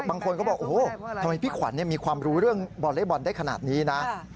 บางคนก็บอกโอ้โหทำไมพี่ขวัญมีความรู้เรื่องวอเล็กบอลได้ขนาดนี้นะ